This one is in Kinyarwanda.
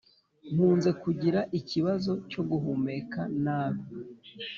Nkunze kugira ikibazo cyo guhumeka nabi